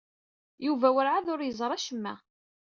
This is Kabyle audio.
Yuba werɛad ur yeẓri acemma.